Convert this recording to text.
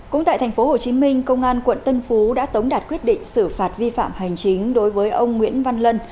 cũng tại tp hcm công an quận tân phú đã tống đạt quyết định xử phạt vi phạm hành chính đối với ông nguyễn văn lân